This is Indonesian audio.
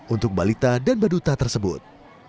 untuk balita dan baduta tersebut